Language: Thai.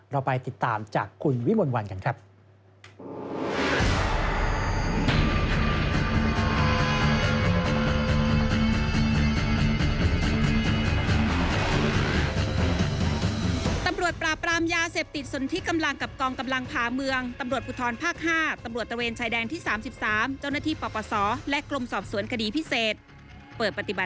เราไปติดตามจากคุณวิมลวันกันครับ